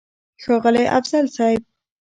ښاغلی افضل صيب!!